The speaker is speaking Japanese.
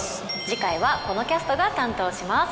次回はこのキャストが担当します。